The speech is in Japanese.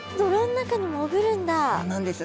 そうなんです。